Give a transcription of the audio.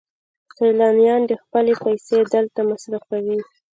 سیلانیان خپلې پیسې دلته مصرفوي.